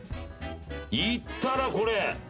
いったなこれ。